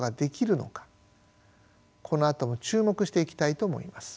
このあとも注目していきたいと思います。